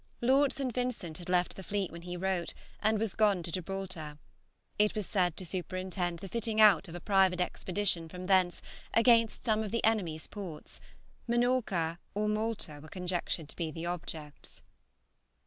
Lord St. Vincent had left the fleet when he wrote, and was gone to Gibraltar, it was said to superintend the fitting out of a private expedition from thence against some of the enemies' ports; Minorca or Malta were conjectured to be the objects.